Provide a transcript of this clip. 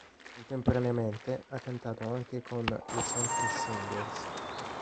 Contemporaneamente ha cantato anche con Les Humphries Singers.